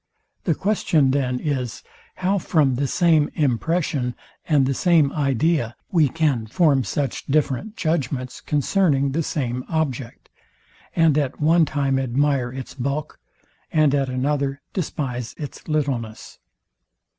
The question then is, how from the same impression and the same idea we can form such different judgments concerning the same object, and at one time admire its bulk, and at another despise its littleness.